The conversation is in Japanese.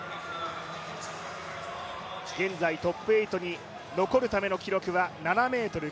現在、トップ８に残るための記録は７ｍ９１。